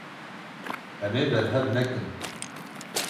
Em ê berhev nekin.